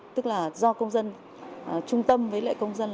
tức là do công dân trung tâm với lại công dân